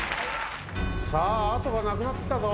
さあ後がなくなってきたぞ。